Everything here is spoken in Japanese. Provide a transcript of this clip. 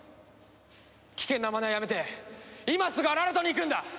危険なまねはやめて今すぐアララトに行くんだ！